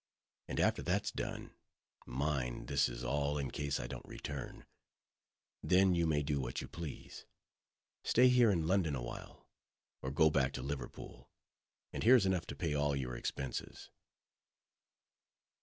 And after that's done—mind, this is all in case I don't return—then you may do what you please: stay here in London awhile, or go back to Liverpool. And here's enough to pay all your expenses."